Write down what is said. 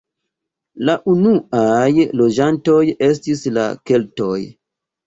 La unuaj loĝantoj estis la keltoj.